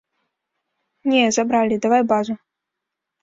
Не, забралі, давай базу.